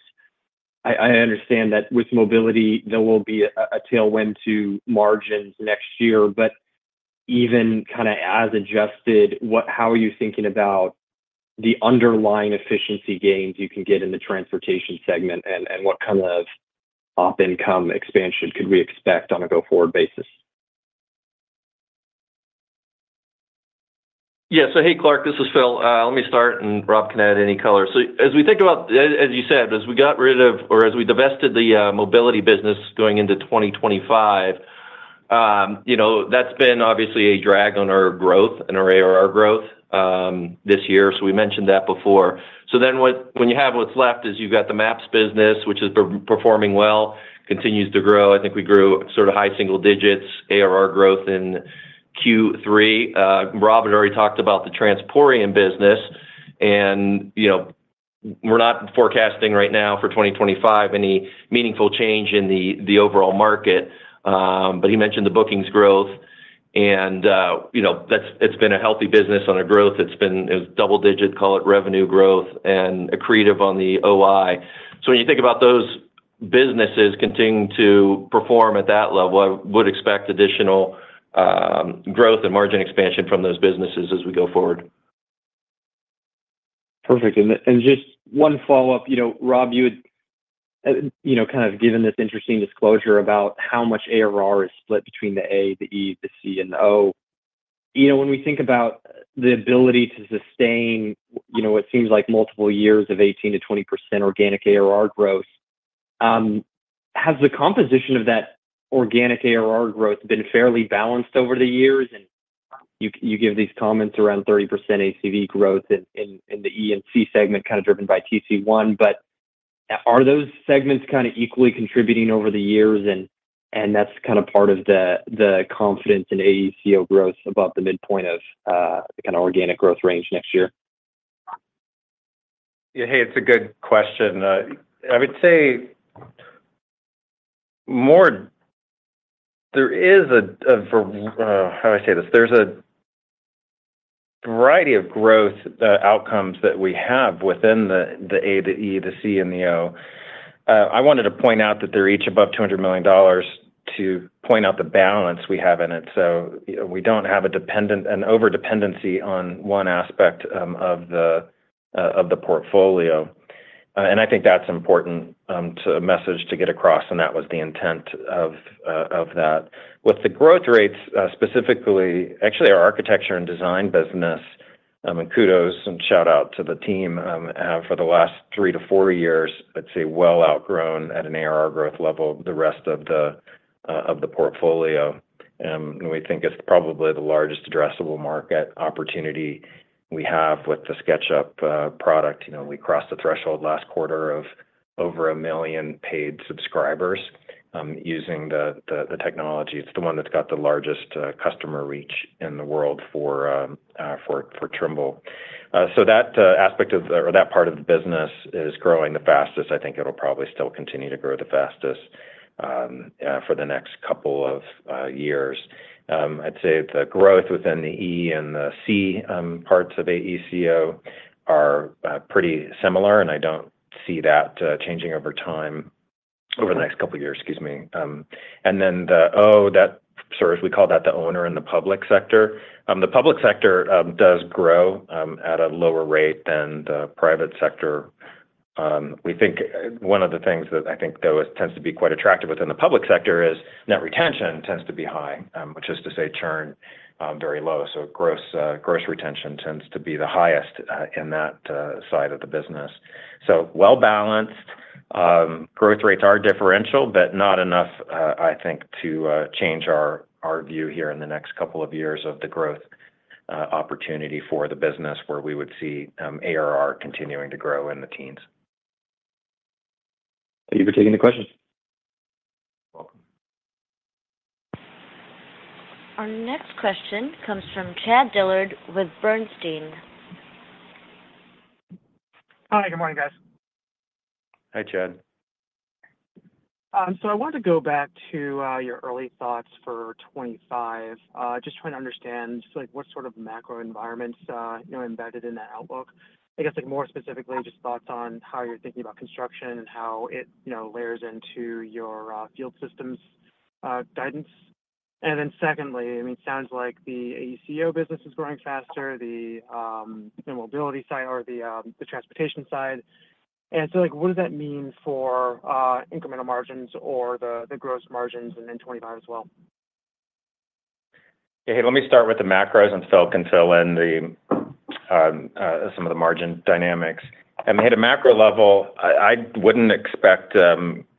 I understand that with mobility, there will be a tailwind to margins next year. But even kind of as adjusted, how are you thinking about the underlying efficiency gains you can get in the transportation segment and what kind of upcoming expansion could we expect on a go-forward basis? Yeah. So hey, Clarke, this is Phil. Let me start, and Rob can add any color. So as we think about, as you said, as we got rid of or as we divested the mobility business going into 2025, that's been obviously a drag on our growth and our ARR growth this year. So we mentioned that before. So then when you have what's left is you've got the maps business, which is performing well, continues to grow. I think we grew sort of high single digits ARR growth in Q3. Rob had already talked about the transporting business. And we're not forecasting right now for 2025 any meaningful change in the overall market. But he mentioned the bookings growth. And it's been a healthy business on a growth. It's been double-digit, call it revenue growth, and accretive on the OI. When you think about those businesses continuing to perform at that level, I would expect additional growth and margin expansion from those businesses as we go forward. Perfect. Just one follow-up. Rob, you had kind of given this interesting disclosure about how much ARR is split between the A, the E, the C, and the O. When we think about the ability to sustain what seems like multiple years of 18%-20% organic ARR growth, has the composition of that organic ARR growth been fairly balanced over the years? And you give these comments around 30% ACV growth in the E and C segment kind of driven by TC1. But are those segments kind of equally contributing over the years? And that's kind of part of the confidence in AECO growth above the midpoint of the kind of organic growth range next year? Yeah. Hey, it's a good question. I would say more there is a, how do I say this? There's a variety of growth outcomes that we have within the A, the E, the C, and the O. I wanted to point out that they're each above $200 million to point out the balance we have in it. So we don't have an overdependency on one aspect of the portfolio. And I think that's important to a message to get across. And that was the intent of that. With the growth rates specifically, actually, our architecture and design business, and kudos and shout-out to the team for the last three to four years, I'd say well outgrown at an ARR growth level the rest of the portfolio. And we think it's probably the largest addressable market opportunity we have with the SketchUp product. We crossed the threshold last quarter of over a million paid subscribers using the technology. It's the one that's got the largest customer reach in the world for Trimble. So that aspect of the, or that part, of the business is growing the fastest. I think it'll probably still continue to grow the fastest for the next couple of years. I'd say the growth within the E and the C parts of AECO are pretty similar. And I don't see that changing over time over the next couple of years, excuse me. And then the O, that sort of we call that the owner in the public sector. The public sector does grow at a lower rate than the private sector. We think one of the things that I think, though, tends to be quite attractive within the public sector is net retention tends to be high, which is to say, churn very low. So gross retention tends to be the highest in that side of the business. So, well-balanced. Growth rates are differential, but not enough, I think, to change our view here in the next couple of years of the growth opportunity for the business where we would see ARR continuing to grow in the teens. Thank you for taking the question. Welcome. Our next question comes from Chad Dillard with Bernstein. Hi. Good morning, guys. Hi, Chad. So I wanted to go back to your early thoughts for 2025. Just trying to understand what sort of macro environments are embedded in that outlook. I guess more specifically, just thoughts on how you're thinking about construction and how it layers into your Field Systems guidance. And then secondly, I mean, it sounds like the AECO business is growing faster, the mobility side or the transportation side. And so what does that mean for incremental margins or the gross margins in 2025 as well? Yeah. Let me start with the macros and Phil can fill in some of the margin dynamics. And at a macro level, I wouldn't expect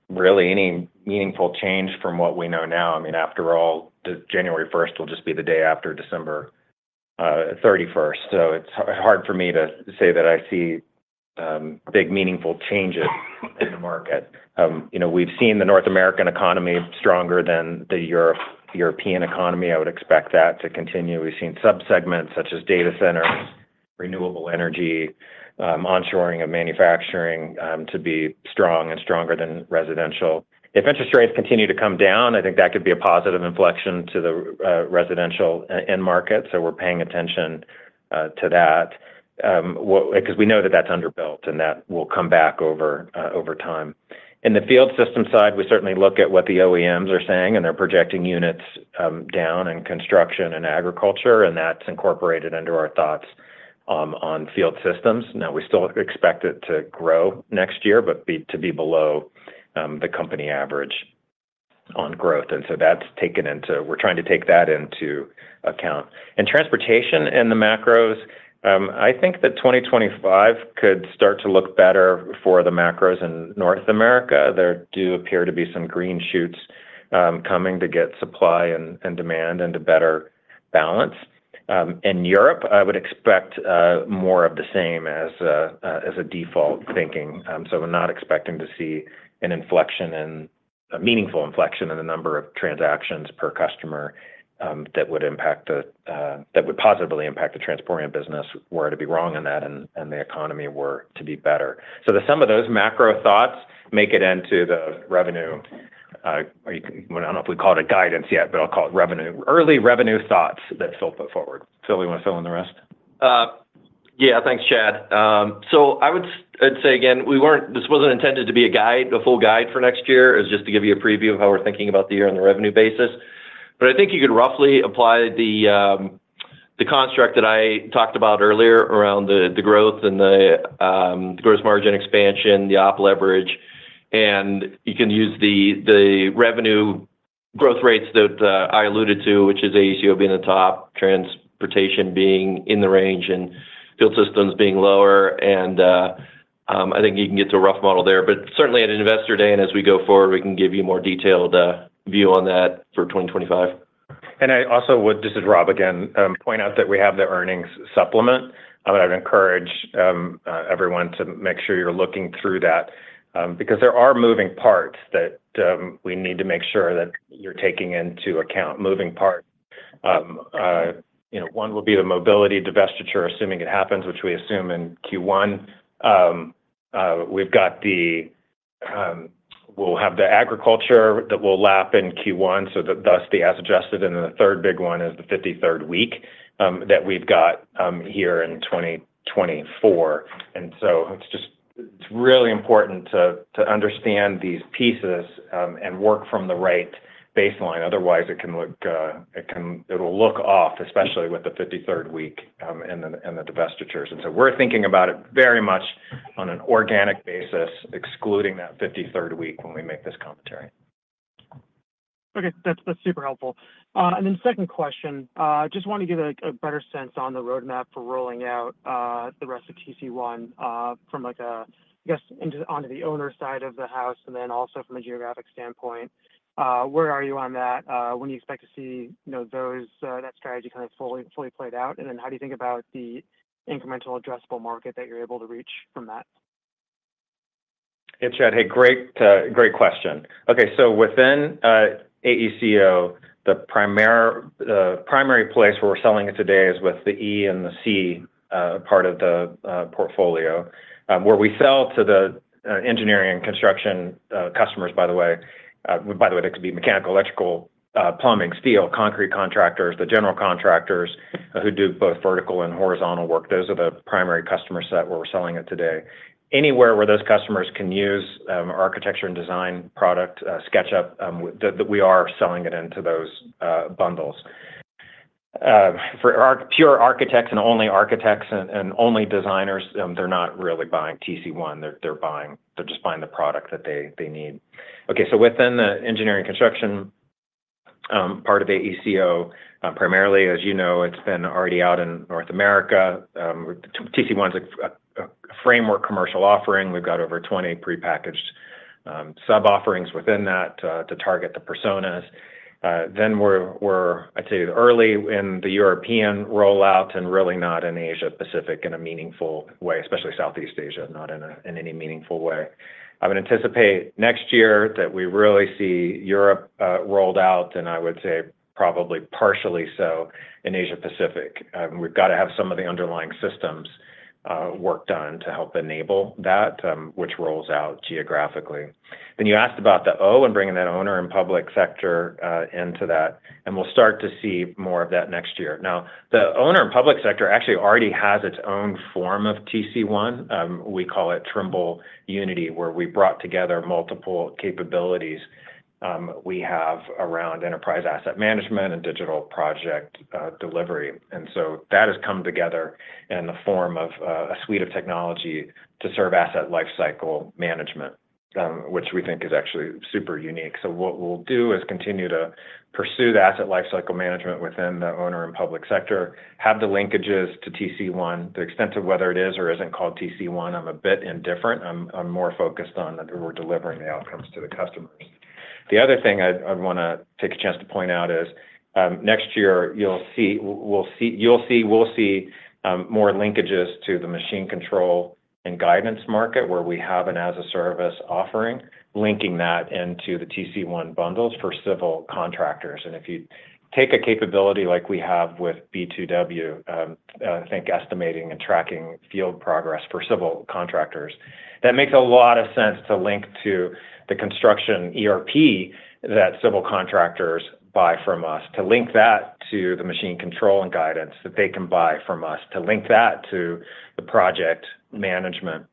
really any meaningful change from what we know now. I mean, after all, January 1st will just be the day after December 31st. So it's hard for me to say that I see big meaningful changes in the market. We've seen the North American economy stronger than the European economy. I would expect that to continue. We've seen subsegments such as data centers, renewable energy, onshoring of manufacturing to be strong and stronger than residential. If interest rates continue to come down, I think that could be a positive inflection to the residential end market. So we're paying attention to that because we know that that's underbuilt and that will come back over time. In the field system side, we certainly look at what the OEMs are saying, and they're projecting units down in construction and agriculture. And that's incorporated into our thoughts on Field Systems. Now, we still expect it to grow next year, but to be below the company average on growth. And so that's taken into account. And transportation and the macros, I think that 2025 could start to look better for the macros in North America. There do appear to be some green shoots coming to get supply and demand into better balance. In Europe, I would expect more of the same as a default thinking. So I'm not expecting to see an inflection, a meaningful inflection in the number of transactions per customer that would positively impact the transporting business. We were to be wrong on that and the economy were to be better. So some of those macro thoughts make it into the revenue. I don't know if we call it a guidance yet, but I'll call it revenue. Early revenue thoughts that Phil put forward. Phil, you want to fill in the rest? Yeah. Thanks, Chad. So I would say again, this wasn't intended to be a guide, a full guide for next year. It was just to give you a preview of how we're thinking about the year on the revenue basis, but I think you could roughly apply the construct that I talked about earlier around the growth and the gross margin expansion, the op leverage, and you can use the revenue growth rates that I alluded to, which is AECO being the top, transportation being in the range, and Field Systems being lower. I think you can get to a rough model there, but certainly, at investor day and as we go forward, we can give you a more detailed view on that for 2025. I also would, just as Rob again, point out that we have the earnings supplement. I would encourage everyone to make sure you're looking through that because there are moving parts that we need to make sure that you're taking into account. One will be the mobility divestiture, assuming it happens, which we assume in Q1. We'll have the agriculture that will lap in Q1. So thus, the as adjusted. And then the third big one is the 53rd week that we've got here in 2024. And so it's really important to understand these pieces and work from the right baseline. Otherwise, it will look off, especially with the 53rd week and the divestitures. And so we're thinking about it very much on an organic basis, excluding that 53rd week when we make this commentary. Okay. That's super helpful. Then second question, just want to get a better sense on the roadmap for rolling out the rest of TC1 from, I guess, onto the owner side of the house and then also from a geographic standpoint. Where are you on that? When do you expect to see that strategy kind of fully played out? And then how do you think about the incremental addressable market that you're able to reach from that? Hey, Chad. Hey, great question. Okay. So within AECO, the primary place where we're selling it today is with the E and the C part of the portfolio, where we sell to the engineering and construction customers, by the way. By the way, that could be mechanical, electrical, plumbing, steel, concrete contractors, the general contractors who do both vertical and horizontal work. Those are the primary customers that we're selling to today. Anywhere where those customers can use our architecture and design product, SketchUp, we are selling it into those bundles. For our pure architects and only architects and only designers, they're not really buying TC1. They're just buying the product that they need. Okay. So within the engineering and construction part of AECO, primarily, as you know, it's been already out in North America. TC1 is a framework commercial offering. We've got over 20 prepackaged sub-offerings within that to target the personas. Then we're, I'd say, early in the European rollout and really not in Asia-Pacific in a meaningful way, especially Southeast Asia, not in any meaningful way. I would anticipate next year that we really see Europe rolled out, and I would say probably partially so in Asia-Pacific. We've got to have some of the underlying systems work done to help enable that, which rolls out geographically. And you asked about the O and bringing that owner in public sector into that. And we'll start to see more of that next year. Now, the owner in public sector actually already has its own form of TC1. We call it Trimble Unity, where we brought together multiple capabilities we have around enterprise asset management and digital project delivery, and so that has come together in the form of a suite of technology to serve asset lifecycle management, which we think is actually super unique, so what we'll do is continue to pursue the asset lifecycle management within the owner in public sector, have the linkages to TC1. The extent of whether it is or isn't called TC1, I'm a bit indifferent. I'm more focused on that we're delivering the outcomes to the customers. The other thing I'd want to take a chance to point out is next year, you'll see more linkages to the machine control and guidance market, where we have an as-a-service offering, linking that into the TC1 bundles for civil contractors. If you take a capability like we have with B2W, I think estimating and tracking field progress for civil contractors, that makes a lot of sense to link to the construction ERP that civil contractors buy from us, to link that to the machine control and guidance that they can buy from us, to link that to the project management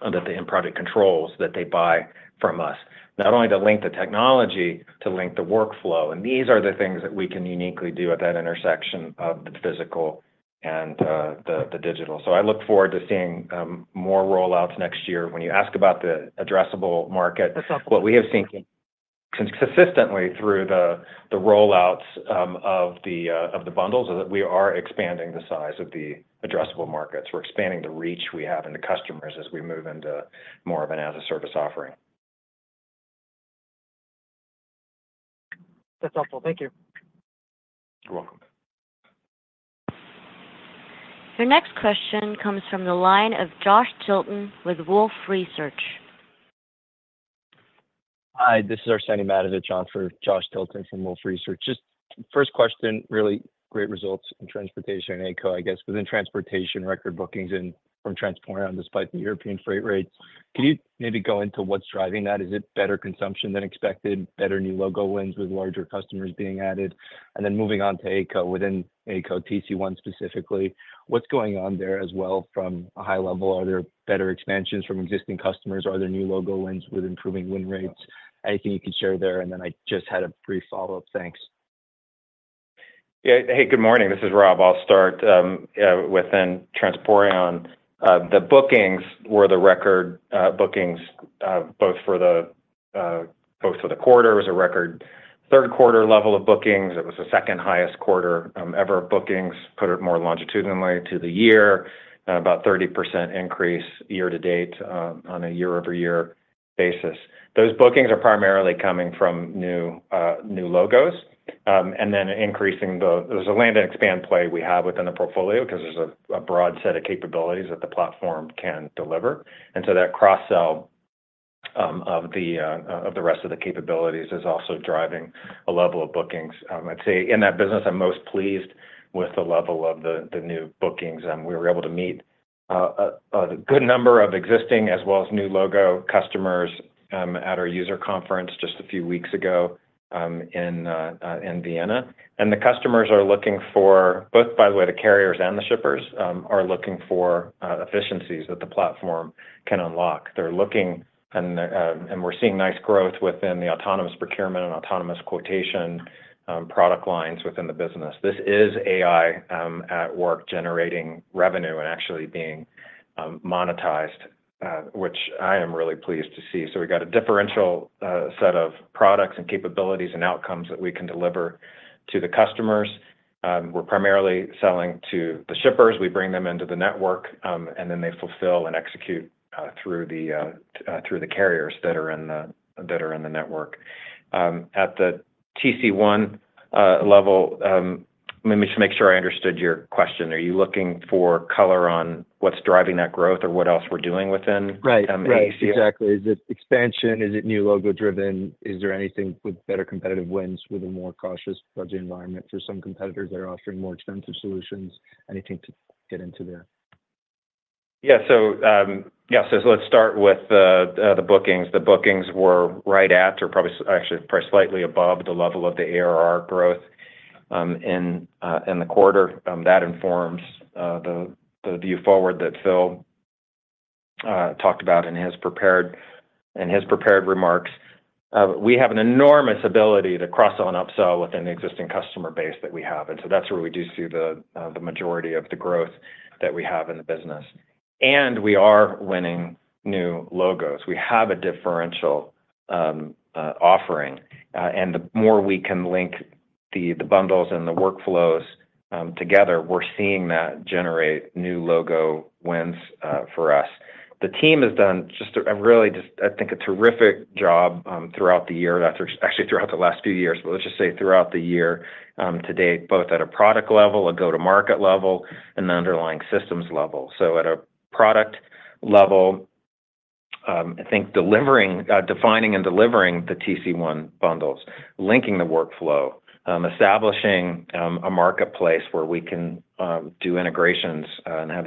that the end project controls that they buy from us, not only to link the technology to link the workflow. These are the things that we can uniquely do at that intersection of the physical and the digital. I look forward to seeing more rollouts next year. When you ask about the addressable market, what we have seen consistently through the rollouts of the bundles is that we are expanding the size of the addressable markets. We're expanding the reach we have in the customers as we move into more of an as-a-service offering. That's helpful. Thank you. You're welcome. The next question comes from the line of Josh Tilton with Wolfe Research. Hi. This is Arsenije Matovic for Josh Tilton from Wolfe Research. Just first question, really great results in transportation and AECO, I guess, within transportation record bookings from Transporeon, despite the European freight rates. Can you maybe go into what's driving that? Is it better consumption than expected, better new logo wins with larger customers being added? And then moving on to AECO, within AECO, TC1 specifically, what's going on there as well from a high level? Are there better expansions from existing customers? Are there new logo wins with improving win rates? Anything you can share there? And then I just had a brief follow-up. Thanks. Yeah. Hey, good morning. This is Rob. I'll start with Transporeon. The bookings were the record bookings both for the quarter. It was a record third-quarter level of bookings. It was the second highest quarter ever of bookings, put it more longitudinally to the year, about 30% increase year to date on a year-over-year basis. Those bookings are primarily coming from new logos. And then there's a land and expand play we have within the portfolio because there's a broad set of capabilities that the platform can deliver. And so that cross-sell of the rest of the capabilities is also driving a level of bookings. I'd say in that business, I'm most pleased with the level of the new bookings. We were able to meet a good number of existing as well as new logo customers at our user conference just a few weeks ago in Vienna. The customers are looking for both, by the way. The carriers and the shippers are looking for efficiencies that the platform can unlock. They're looking, and we're seeing nice growth within the Autonomous Procurement and Autonomous Quotation product lines within the business. This is AI at work generating revenue and actually being monetized, which I am really pleased to see. So we've got a differential set of products and capabilities and outcomes that we can deliver to the customers. We're primarily selling to the shippers. We bring them into the network, and then they fulfill and execute through the carriers that are in the network. At the TC1 level, let me just make sure I understood your question. Are you looking for color on what's driving that growth or what else we're doing within AECO? Right. Exactly. Is it expansion? Is it new logo driven? Is there anything with better competitive wins with a more cautious budget environment for some competitors that are offering more expensive solutions? Anything to get into there? Yeah. So let's start with the bookings. The bookings were right at, or actually slightly above, the level of the ARR growth in the quarter. That informs the view forward that Phil talked about in his prepared remarks. We have an enormous ability to cross-sell and upsell within the existing customer base that we have. And so that's where we do see the majority of the growth that we have in the business. And we are winning new logos. We have a differentiated offering. And the more we can link the bundles and the workflows together, we're seeing that generate new logo wins for us. The team has done just a really, I think, a terrific job throughout the year, actually throughout the last few years, but let's just say throughout the year to date, both at a product level, a go-to-market level, and the underlying systems level. So at a product level, I think defining and delivering the TC1 bundles, linking the workflow, establishing a marketplace where we can do integrations and have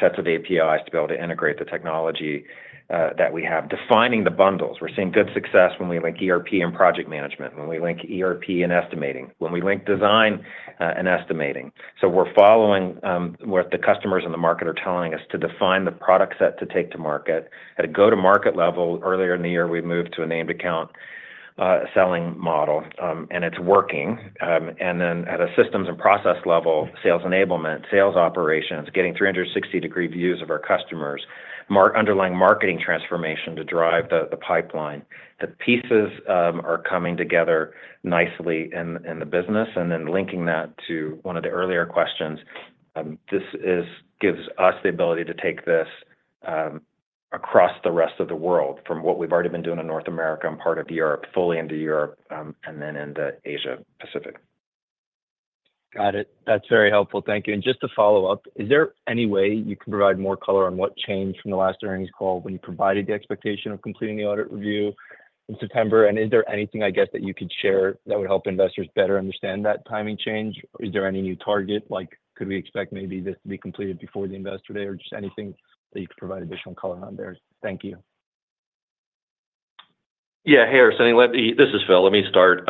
sets of APIs to be able to integrate the technology that we have, defining the bundles. We're seeing good success when we link ERP and project management, when we link ERP and estimating, when we link design and estimating. So we're following what the customers and the market are telling us to define the product set to take to market. At a go-to-market level, earlier in the year, we moved to a named account selling model, and it's working. And then at a systems and process level, sales enablement, sales operations, getting 360-degree views of our customers, underlying marketing transformation to drive the pipeline. The pieces are coming together nicely in the business. And then linking that to one of the earlier questions, this gives us the ability to take this across the rest of the world from what we've already been doing in North America and part of Europe, fully into Europe, and then into Asia-Pacific. Got it. That's very helpful. Thank you. And just to follow up, is there any way you can provide more color on what changed from the last earnings call when you provided the expectation of completing the audit review in September? And is there anything, I guess, that you could share that would help investors better understand that timing change? Is there any new target? Could we expect maybe this to be completed before the investor day or just anything that you could provide additional color on there? Thank you. Yeah. Hey, Arsenije. This is Phil. Let me start.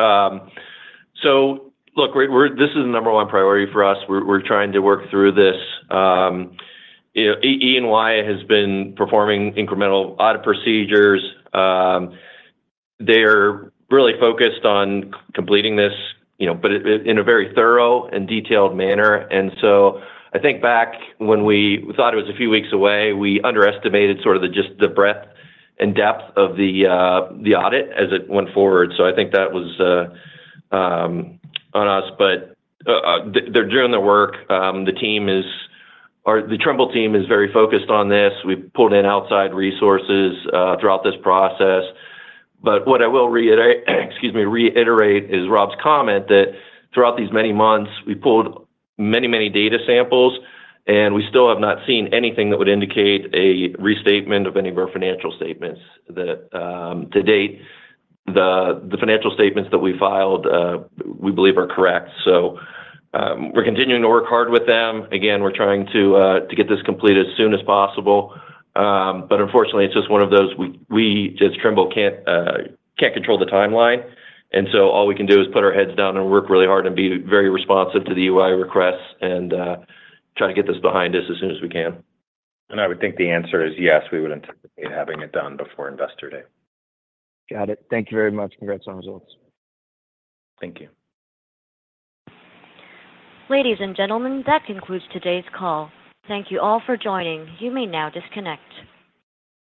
So look, this is the number one priority for us. We're trying to work through this. EY has been performing incremental audit procedures. They're really focused on completing this, but in a very thorough and detailed manner. And so I think back when we thought it was a few weeks away, we underestimated sort of just the breadth and depth of the audit as it went forward. So I think that was on us. But they're doing the work. The Trimble team is very focused on this. We've pulled in outside resources throughout this process. But what I will reiterate is Rob's comment that throughout these many months, we pulled many, many data samples, and we still have not seen anything that would indicate a restatement of any of our financial statements to date. The financial statements that we filed, we believe, are correct. So we're continuing to work hard with them. Again, we're trying to get this completed as soon as possible. But unfortunately, it's just one of those we as Trimble can't control the timeline. And so all we can do is put our heads down and work really hard and be very responsive to the EY requests and try to get this behind us as soon as we can. And I would think the answer is yes. We would anticipate having it done before investor day. Got it. Thank you very much. Congrats on the results. Thank you. Ladies and gentlemen, that concludes today's call. Thank you all for joining. You may now disconnect.